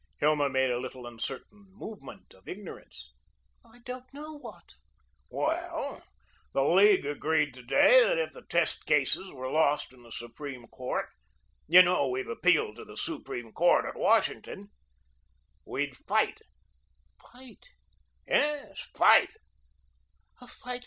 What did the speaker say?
Hilma made a little uncertain movement of ignorance. "I don't know what." "Well, the League agreed to day that if the test cases were lost in the Supreme Court you know we've appealed to the Supreme Court, at Washington we'd fight." "Fight?" "Yes, fight."